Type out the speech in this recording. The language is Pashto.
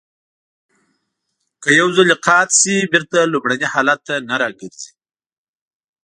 که یو ځلی قات شي بېرته لومړني حالت ته نه را گرځي.